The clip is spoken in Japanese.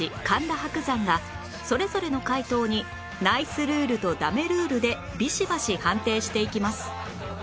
神田伯山がそれぞれの解答に「ナイスルール！」と「ダメルール！」でビシバシ判定していきます